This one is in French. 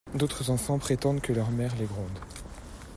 D'autres enfants prétendent que leur mère les gronde.